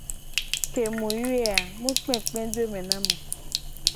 Ke mu yoe vo a mu kpekpe do me na mu o.